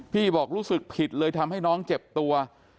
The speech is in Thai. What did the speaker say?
บอกรู้สึกผิดเลยทำให้น้องเจ็บตัว